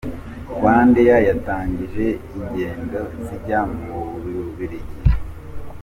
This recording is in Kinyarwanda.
RwandAir yatangije ingendo zijya mu Bubiligi.